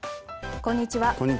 こんにちは。